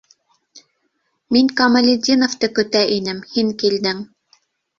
Мин Камалетдиновты көтә инем - һин килдең.